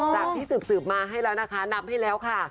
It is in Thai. จากที่สืบมาให้แล้วนะคะนับให้แล้วค่ะ